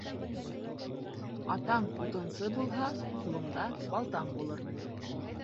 Атаң утынсы булһа, ҡулыңда балтаң булһын.